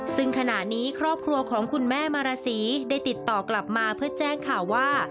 ซึ่งขณะนี้ครอบครัวของคุณแม่มาราศีได้ติดต่อกลับมาเพื่อแจ้งข่าวว่า